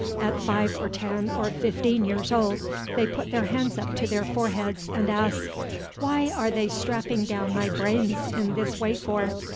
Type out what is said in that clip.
At five or ten or fifteen years old they put their hands up to their foreheads and ask, What are they strapping down my brains in this way for?